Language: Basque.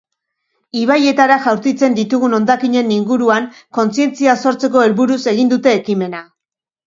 Ibaietara jaurtitzen ditugun hondakinen inguruan kontzientzia sortzeko helburuz egin dute ekimena.